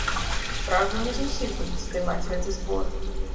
Праўда, не з усіх будуць здымаць гэты збор.